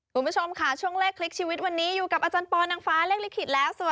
สวัสดีค่ะสวัสดีครับอาจารย์ครับ